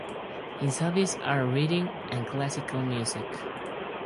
His hobbies are reading and classical music.